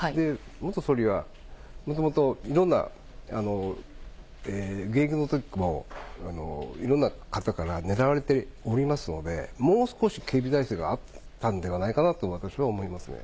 元総理はもともと、いろんなところから狙われておりますので、もう少し警備体制があったんではないかなと、私は思いますね。